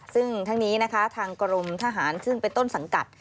ซึ่งทั้งนี้นะคะทางกรมทหารซึ่งเป็นต้นสังกัด